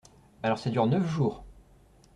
Alors ça dure neuf jours !